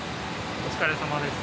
お疲れさまです。